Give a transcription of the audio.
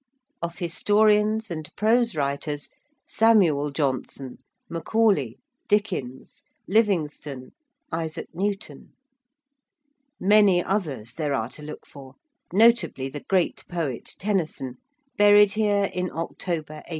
Of historians and prose writers, Samuel Johnson, Macaulay, Dickens, Livingston, Isaac Newton. Many others there are to look for, notably the great poet Tennyson, buried here in October 1892.